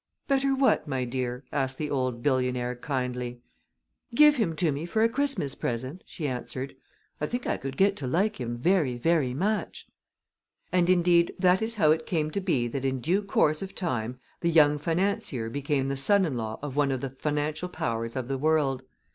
"Better what, my dear?" asked the old billionaire, kindly. "Give him to me for a Christmas present?" she answered. "I think I could get to like him very, very much." And, indeed, that is how it came to be that in due course of time the young financier became the son in law of one of the financial powers of the world.